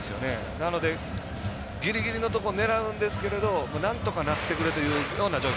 なので、ギリギリのところ狙うんですけれどなんとかなってくれというような状況。